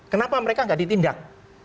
kenapa mereka gak ditindak